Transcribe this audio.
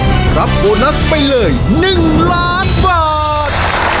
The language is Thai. รับโบนัสไปเลย๑ล้านบาท